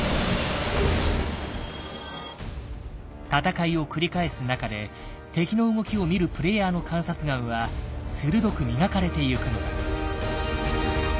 戦いを繰り返す中で敵の動きを見るプレイヤーの観察眼は鋭く磨かれてゆくのだ。